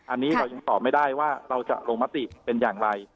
อันนี้เรายังตอบไม่ได้ว่าเราจะลงมติเป็นอย่างไร